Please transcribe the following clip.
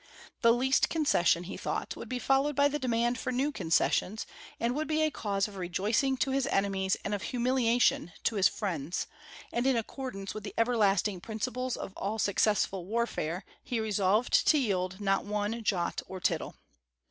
The least concession, he thought, would be followed by the demand for new concessions, and would be a cause of rejoicing to his enemies and of humiliation to his friends; and in accordance with the everlasting principles of all successful warfare he resolved to yield not one jot or tittle.